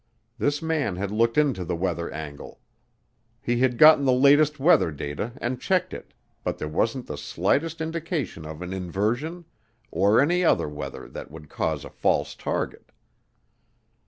This man had looked into the weather angle. He had gotten the latest weather data and checked it, but there wasn't the slightest indication of an inversion or any other weather that would cause a false target.